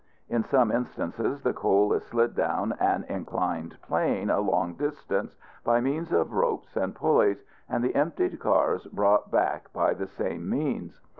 In some instances the coal is slid down an inclined plane a long distance, by means of ropes and pulleys, and the emptied cars brought back by the same means.